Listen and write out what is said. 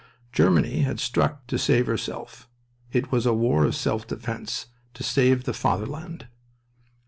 Germany had struck to save herself. "It was a war of self defense, to save the Fatherland."